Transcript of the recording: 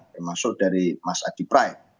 termasuk dari mas adi prai